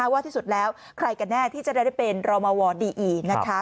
ว่าที่สุดแล้วใครกันแน่ที่จะได้เป็นรอมวดีอี